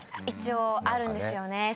一応あるんですよね。